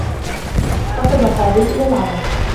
قفز فاضل إلى العمل.